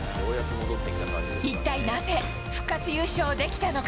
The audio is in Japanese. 一体なぜ、復活優勝できたのか。